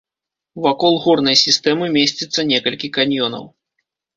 Вакол горнай сістэмы месціцца некалькі каньёнаў.